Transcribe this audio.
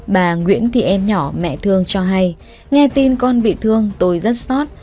bà nguyễn thị em nhỏ mẹ thương cho hay nghe tin con bị thương tôi rất xót